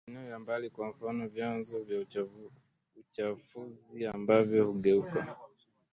maeneo ya mbali Kwa mfano vyanzo vya uchafuzi ambavyo hugeuka